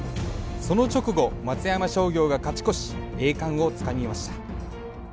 その直後松山商業が勝ち越し栄冠をつかみました。